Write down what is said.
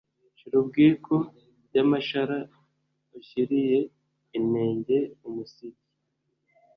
Shirubwiko ya Mashara Ushiriye inenge umusigi.